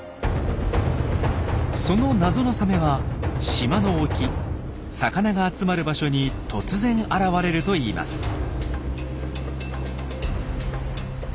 その謎のサメは島の沖魚が集まる場所に突然現れるといいます。